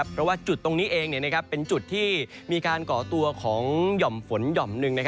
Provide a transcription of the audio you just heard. เพราะว่าจุดตรงนี้เองเป็นจุดที่มีการก่อตัวของหย่อมฝนหย่อมหนึ่ง